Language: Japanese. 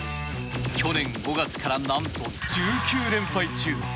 去年５月から何と１９連敗中。